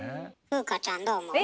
風花ちゃんどう思う？